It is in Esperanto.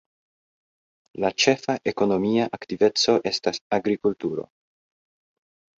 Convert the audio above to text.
La ĉefa ekonomia aktiveco estas agrikulturo.